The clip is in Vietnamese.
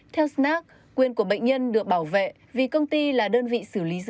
theo snack quyền của bệnh nhân được bảo vệ vì công ty là đơn vị xử lý dữ liệu